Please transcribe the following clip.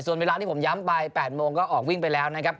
ส่วนเวลาที่ผมย้ำไป๘โมงก็ออกวิ่งไปแล้วนะครับ